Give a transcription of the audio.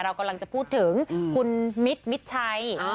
เรากำลังจะพูดถึงคุณมิตรมิดชัย